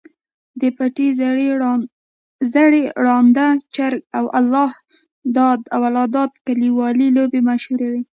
د پټې دُرې، ړانده چرک، او الله داد کلیوالې لوبې مشهورې وې.